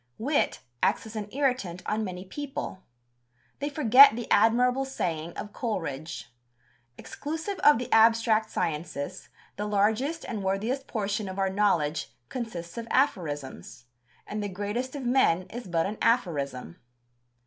Wit acts as an irritant on many people. They forget the admirable saying of Coleridge: "Exclusive of the abstract sciences, the largest and worthiest portion of our knowledge consists of aphorisms; and the greatest of men is but an aphorism."